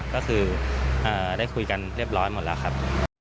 ก็คือได้คุยกันเรียบร้อยหมดแล้วครับ